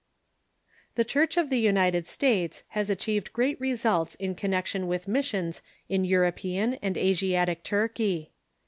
The Church of the United States has achieved great results in connection with missions in. European and Asiatic Turkey.